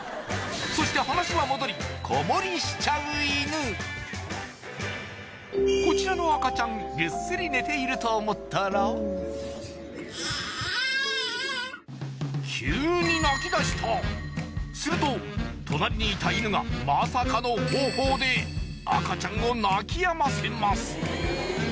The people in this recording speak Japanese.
そして話は戻りこちらの赤ちゃんぐっすり寝ていると思ったら急にすると隣にいた犬がまさかの方法で赤ちゃんを泣きやませます